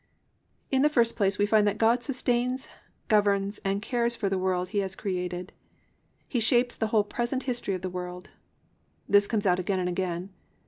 1. In the first place we find that God sustains, governs and cares for the world He has created. He shapes the whole present history of the world. This comes out again and again.